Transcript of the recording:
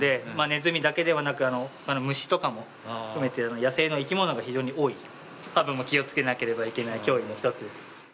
ネズミだけではなくあの虫とかも含めて野生の生き物が非常に多いハブも気をつけなければいけない脅威の一つです